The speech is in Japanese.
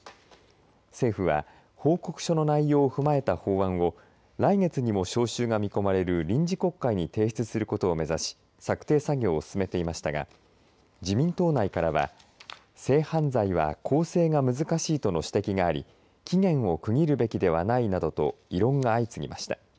政府は報告書の内容を踏まえた法案を来月にも召集が見込まれる臨時国会に提出することを目指し策定作業を進めていましたが自民党内からは性犯罪は更生が難しいとの指摘があり期限を区切るべきではないなどと異論が相次ぎました。